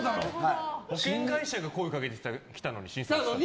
保険会社が声をかけてきたのに。